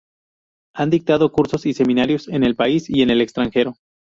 Han dictado cursos y seminarios en el país y en el extranjero.